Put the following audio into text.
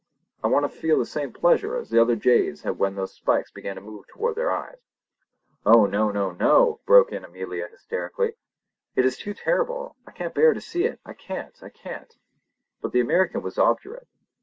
I want to feel the same pleasure as the other jays had when those spikes began to move toward their eyes!" "Oh no! no! no!" broke in Amelia hysterically. "It is too terrible! I can't bear to see it!—I can't! I can't!" But the American was obdurate.